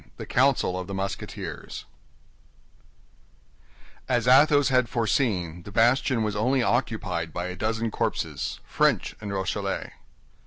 THE COUNCIL OF THE MUSKETEERS As Athos had foreseen, the bastion was only occupied by a dozen corpses, French and Rochellais.